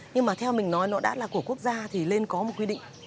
nhưng mà theo mình nói nó đã là của quốc gia thì nên có một quy định